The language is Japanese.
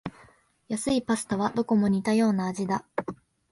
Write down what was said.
安いパスタはどこも似たような味だ